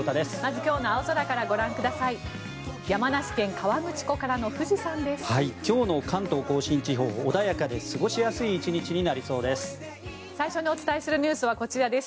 今日の関東・甲信地方穏やかで過ごしやすい１日になりそうです。